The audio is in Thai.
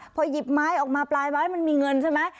พอหยิบไม้ออกมาปลายไม้มันมีเงินใช่ไหม